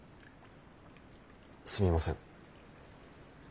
すみません。